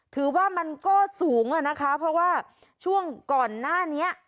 ถือว่ามันก็สูงอะนะคะเพราะว่าช่วงก่อนหน้านี้